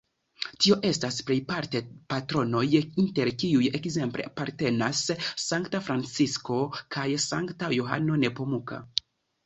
Tio estas plejparte patronoj, inter kiuj ekzemple apartenas sankta Francisko kaj sankta Johano Nepomuka.